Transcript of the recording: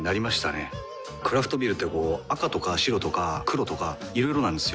クラフトビールってこう赤とか白とか黒とかいろいろなんですよ。